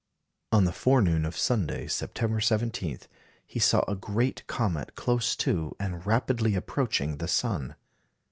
On the forenoon of Sunday, September 17, he saw a great comet close to, and rapidly approaching the sun.